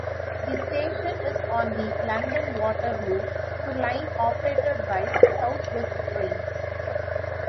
The station is on the London Waterloo to line operated by South West Trains.